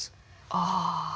ああ。